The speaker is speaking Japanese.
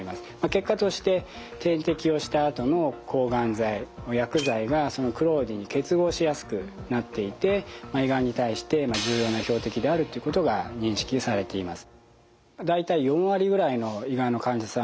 結果として点滴をしたあとの抗がん剤薬剤がそのクローディンに結合しやすくなっていて胃がんに対して重要な標的であるということが認識されています。